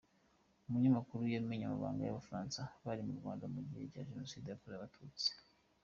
Umunyamakuru yamennye amabanga y’Abafaransa bari mu Rwanda mu gihe cya Jenoside yakorewe Abatutsi.